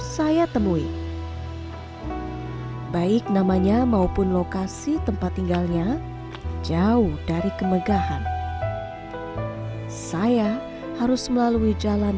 saya temui baik namanya maupun lokasi tempat tinggalnya jauh dari kemegahan saya harus melalui jalan